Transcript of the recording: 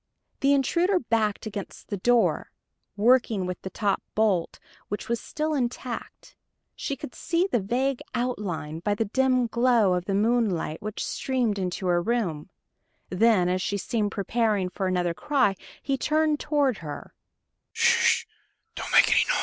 The intruder backed against the door, working with the top bolt, which was still intact. She could see the vague outline by the dim glow of the moonlight which streamed into her room. Then, as she seemed preparing for another cry, he turned toward her.